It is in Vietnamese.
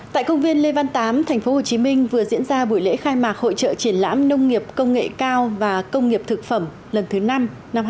tại công viên lê văn tám tp hcm vừa diễn ra buổi lễ khai mạc hội trợ triển lãm nông nghiệp công nghệ cao và công nghiệp thực phẩm lần thứ năm năm hai nghìn hai mươi